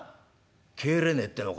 帰れねえってのか。